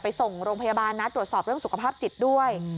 ส่งโรงพยาบาลนะตรวจสอบเรื่องสุขภาพจิตด้วย